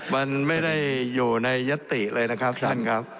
มันไม่ได้อยู่ในยัตติเลยนะครับท่านครับ